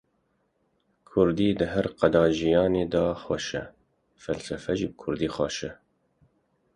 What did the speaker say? Kurdî di her qada jiyanê de xweş e, felsefe jî bi kurdî xweş e.